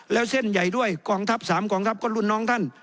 แล้วเส้นใหญ่ด้วยกองทัพ๓กองทัพก็รุ่นน้องท่าน